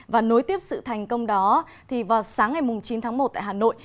và nối tiếp sự thành công đó thì vào sáng ngày chín tháng một tại hà nội